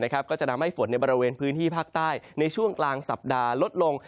ก็จะทำให้ฝนในบริเวณพื้นที่ภาคใต้ในช่วงกลางสัปดาห์ลดลง